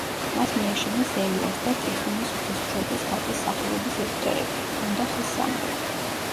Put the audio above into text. მას მიაშენეს ელიას და ტიხვინის ღვთისმშობლის ხატის სახელობის ეგვტერები, ჰქონდა ხის სამრეკლო.